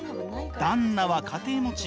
旦那は家庭持ち。